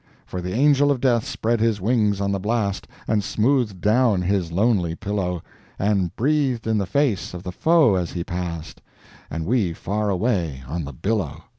For the Angel of Death spread his wings on the blast, And smoothed down his lonely pillow, And breathed in the face of the foe as he passed— And we far away on the billow!